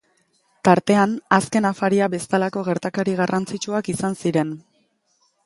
Tartean Azken Afaria bezalako gertakari garrantzitsuak izan ziren.